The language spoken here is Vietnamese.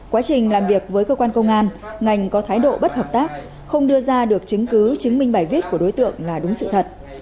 quá trình làm việc với cơ quan công an ngành có thái độ bất hợp tác không đưa ra được chứng cứ chứng minh bài viết của đối tượng là đúng sự thật